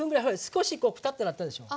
少しこうくたってなったでしょう。